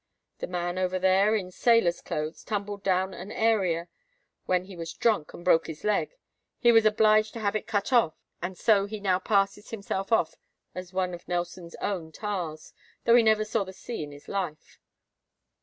The man over there in sailor's clothes tumbled down an area when he was drunk, and broke his leg: he was obliged to have it cut off; and so he now passes himself off as one of Nelson's own tars, though he never saw the sea in his life.